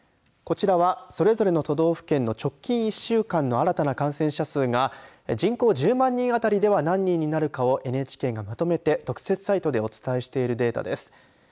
こちらはそれぞれの都道府県の直近１週間の新たな感染者数が人口１０万人あたりでは何人になるかをＮＨＫがまとめて特設サイトでお伝えしているデータです。